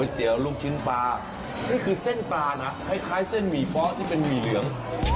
เตี๋ยวลูกชิ้นปลานี่คือเส้นปลานะคล้ายเส้นหมี่เพาะที่เป็นหมี่เหลือง